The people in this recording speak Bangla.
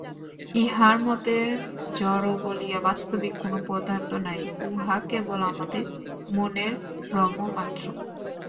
ইঁহার মতে জড় বলিয়া বাস্তবিক কোন পদার্থ নাই, উহা কেবল আমাদের মনের ভ্রমমাত্র।